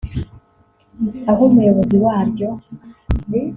aho umuyobozi waryo